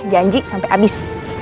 janji sampai habis